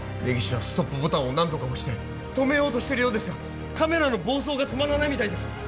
根岸はストップボタンを何度か押して止めようとしているようですがカメラの暴走が止まらないみたいです